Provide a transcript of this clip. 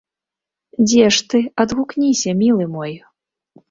Дзе ж ты, адгукніся, мілы мой.